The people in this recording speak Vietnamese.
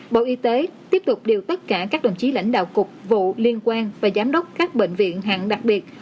bộ y tế tiếp tục điều tất cả các đồng chí lãnh đạo cục vụ liên quan và giám đốc các bệnh viện hạng đặc biệt